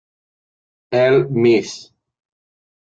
El Ms.